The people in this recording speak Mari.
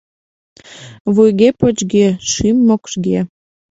Вуйге-почге, шӱм-мокшге.